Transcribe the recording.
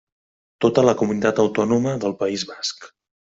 Tota la Comunitat Autònoma del País Basc.